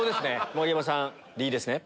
盛山さんいいですね？